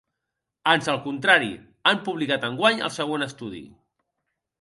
Ans al contrari, han publicat enguany el següent estudi.